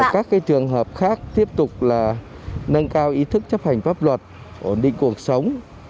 các trường hợp khác tiếp tục là nâng cao ý thức chấp hành pháp luật ổn định cuộc sống